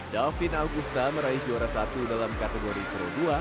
dalvin augusta meraih juara satu dalam kategori pro dua